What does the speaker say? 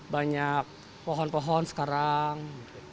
banyak pohon pohon sekarang